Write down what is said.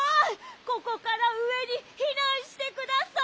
ここからうえにひなんしてください！